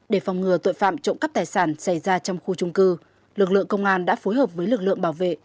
để phòng ngừa tội phạm trộm cắp tài sản xảy ra trong khu trung cư lực lượng công an đã phối hợp với lực lượng bảo vệ